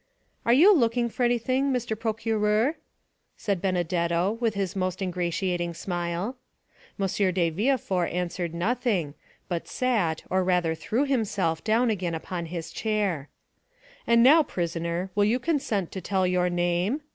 50183m "Are you looking for anything, Mr. Procureur?" asked Benedetto, with his most ingratiating smile. M. de Villefort answered nothing, but sat, or rather threw himself down again upon his chair. "And now, prisoner, will you consent to tell your name?"